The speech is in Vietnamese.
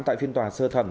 tại phiên tòa sơ thẩm